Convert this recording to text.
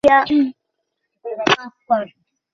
প্রতি সপ্তাহে ছুটি বাধ্যতামূলক!